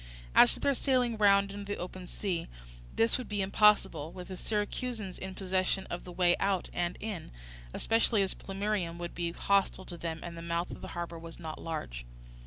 As to their sailing round into the open sea, this would be impossible, with the Syracusans in possession of the way out and in, especially as Plemmyrium would be hostile to them, and the mouth of the harbour was not large.